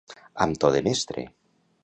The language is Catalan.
Amb to de mestre.